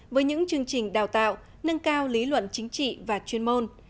với những chương trình đào tạo nâng cao lý luận chính trị và chuyên môn